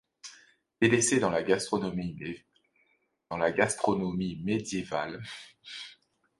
Délaissés dans la gastronomie médiévale, il réintroduit les abats et les coquillages.